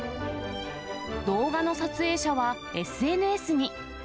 動画の撮影者は、ＳＮＳに。